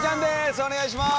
お願いします。